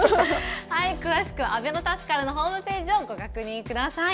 詳しくはあべのタスカルのホームページをご確認ください。